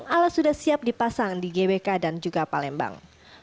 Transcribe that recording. alat sudah siap dipasang di gbk dan juga palembang